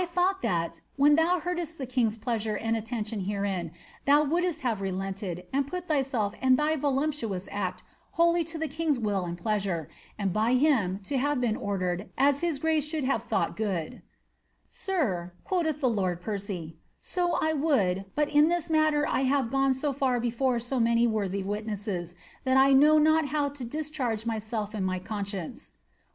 1 thought that, when thou heardest pleasure and attention herein, thou wouldst have relented, an self and thy voluptuous act whoUv to the king's will and ph by him to have been ordered, as his grace should have thou^ ^Sir" (quoth the lord Percy), ^ so I would, but in this ma gone so (ar before so many worthy witnesses, that I know n discharge myself and my conscience."